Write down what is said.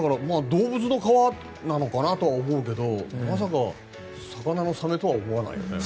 動物の革なのかなって思いますけどまさかのサメとは思わないよね。